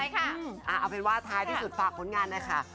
เอาเป็นว่าท้ายที่สุดฝากผลงานหน่อยค่ะ